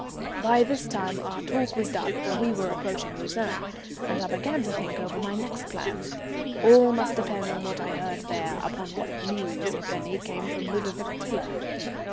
By this time our talk was done, for we were approaching Lucerne, and I began to think over my next plans. All must depend on what I heard there upon what news, if any, came from Ludovic Tiler.